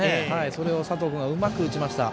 それを佐藤君がうまく打ちました。